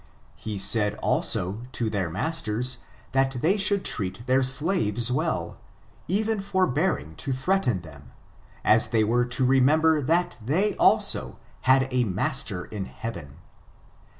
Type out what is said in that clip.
He said, also, to their masters, that they should treat their slaves well, even forbearing to threaten them, as they were to remember that they, also, had a master in heaven.